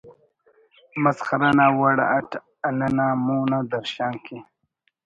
مسخرہ نا وڑ اٹ ننا مون آ درشان کے